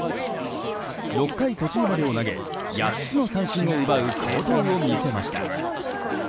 ６回途中までを投げ８つの三振を奪う好投を見せました。